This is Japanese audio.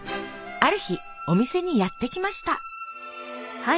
ある日お店にやって来ました。